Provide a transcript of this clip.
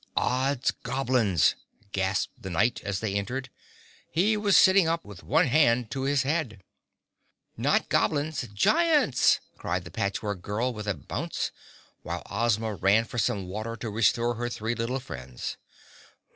"Odds Goblins!" gasped the Knight, as they entered. He was sitting up with one hand to his head. "Not goblins—giants!" cried the Patch Work Girl, with a bounce, while Ozma ran for some water to restore her three little friends.